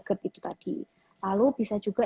gerd itu tadi lalu bisa juga